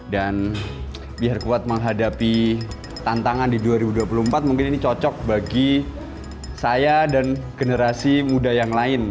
dan biar kuat menghadapi tantangan di dua ribu dua puluh empat mungkin ini cocok bagi saya dan generasi muda yang lain